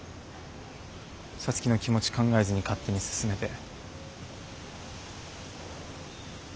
皐月の気持ち考えずに勝手に進めて。